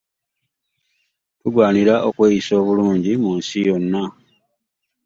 Tugwanira okweyisa obulungi mu nsi eno.